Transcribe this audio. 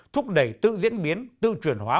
thúc đẩy tự diễn biến tự truyền hóa